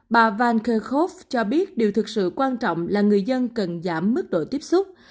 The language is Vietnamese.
bà van kerkhove cho biết điều thực sự quan trọng là người dân cần giảm mức độ tiếp xúc